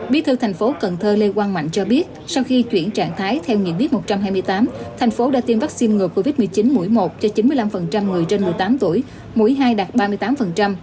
bí thư thành phố cần thơ lê quang mạnh cho biết sau khi chuyển trạng thái theo nghị quyết một trăm hai mươi tám thành phố đã tiêm vaccine ngừa covid một mươi chín mũi một cho chín mươi năm người trên một mươi tám tuổi mũi hai đạt ba mươi tám